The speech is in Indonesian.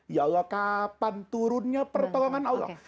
ya allah kapan turunnya pertolongan allah